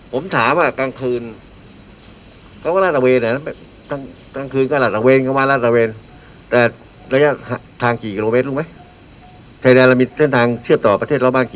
ผมถามว่ากลางคืน